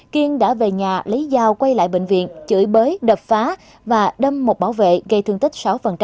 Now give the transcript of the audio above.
kiên đã về nhà lấy dao quay lại bệnh viện chửi bới đập phá và đâm một bảo vệ gây thương tích sáu